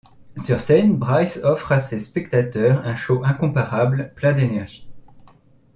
Sur scène, Bryce offre à ses spectateurs un show incomparable, plein d'énergie.